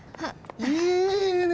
いいね！